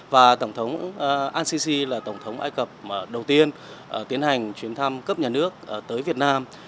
và tổng thống al sisi là tổng thống ai cập đầu tiên tiến hành chuyến thăm cấp nhà nước tới việt nam